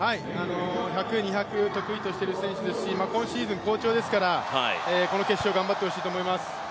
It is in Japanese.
１００、２００得意としている選手ですし今シーズン好調ですからこの決勝、頑張ってほしいと思います。